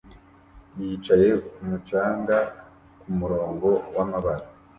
yicaye kumu canga kumurongo wamabara